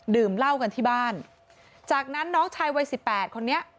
ดื่มเหล้ากันที่บ้านจากนั้นน้องชายวัยสิบแปดคนนี้